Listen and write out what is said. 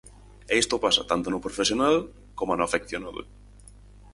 E isto pasa tanto no profesional coma no afeccionado.